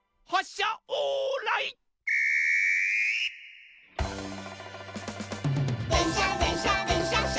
しゃでんしゃでんしゃでんしゃっしゃ」